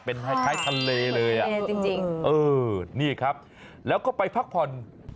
เป็นคล้ายทะเลเลยอ่ะเออนี่ครับแล้วก็ไปพักผ่อน